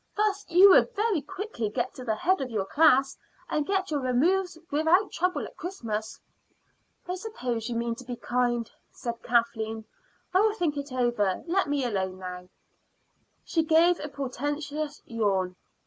Thus you would very quickly get to the head of your class, and get your removes without trouble at Christmas." "I suppose you mean to be kind," said Kathleen. "I will think it over. Let me alone now." She gave a portentous yawn.